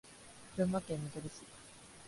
群馬県みどり市